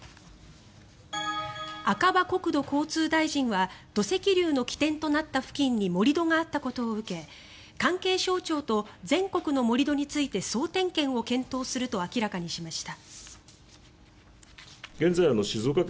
赤羽国土交通大臣は土石流の起点となった付近に盛り土があったことを受け関係省庁と全国の盛り土について総点検を検討すると明らかにしました。